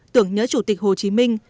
tưởng nhớ chủ tịch hồ chí minh